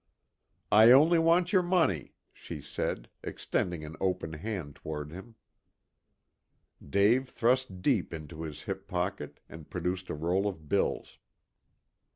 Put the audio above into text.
"I only want your money," she said, extending an open hand toward him. Dave thrust deep into his hip pocket, and produced a roll of bills.